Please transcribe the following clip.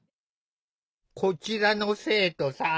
こちらの生徒さん